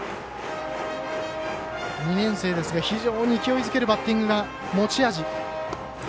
２年生ですが非常に勢いづけるバッティングが持ち味。